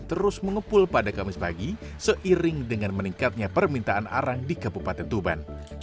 terus mengepul pada kamis pagi seiring dengan meningkatnya permintaan arang di kabupaten tuban